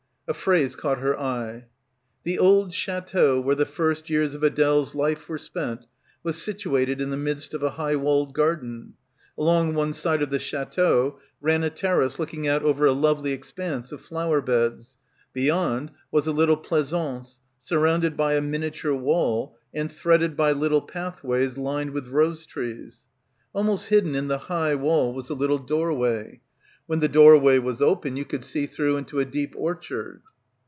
A phrase caught her eye. "The old chateau where the first years of Adele's life were spent was situated in the midst of a high walled garden. Along one side of the chateau ran a terrace looking out over a lovely expanse of flower beds. Beyond was a little pleasaunce surrounded by a miniature wall and threaded by little pathways lined with rose trees. Almost hidden in the high wall was a little doorway. When the doorway was open you could see through into a deep orchard."